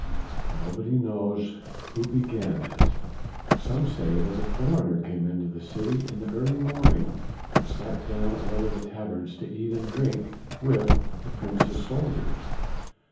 Nobody knows who began it. Some say that a foreigner came into the city in the early morning and sat down at one of the taverns to eat and drink with the Prince's soldiers."